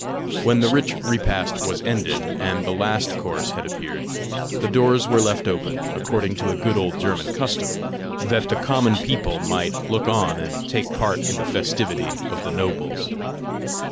When the rich repast was ended, and the last course had appeared, the doors were left open, according to a good old German custom, that the common people might look on, and take part in the festivity of the nobles.